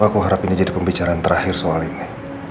aku harap ini jadi pembicaraan terakhir soal ini